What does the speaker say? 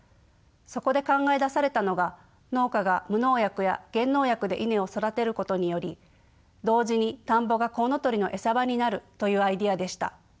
そこで考え出されたのが農家が無農薬や減農薬でイネを育てることにより同時に田んぼがコウノトリの餌場になるというアイデアでした。